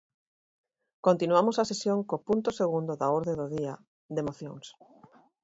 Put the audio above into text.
Continuamos a sesión co punto segundo da orde do día, de mocións.